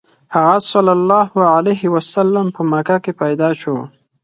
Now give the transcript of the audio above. هغه ﷺ په مکه کې پیدا شو.